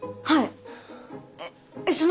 はい。